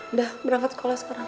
udah berangkat sekolah sekarang